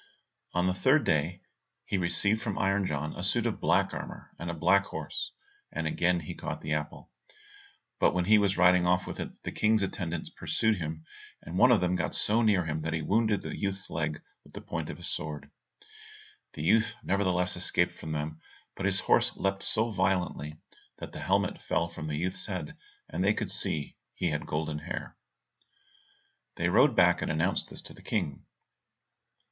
On the third day, he received from Iron John a suit of black armour and a black horse, and again he caught the apple. But when he was riding off with it, the King's attendants pursued him, and one of them got so near him that he wounded the youth's leg with the point of his sword. The youth nevertheless escaped from them, but his horse leapt so violently that the helmet fell from the youth's head, and they could see that he had golden hair. They rode back and announced this to the King.